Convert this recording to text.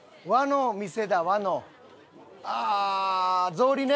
草履ね！